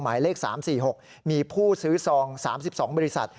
หมายเลข๓๔๖มีผู้ซื้อซอง๓๒บริษัท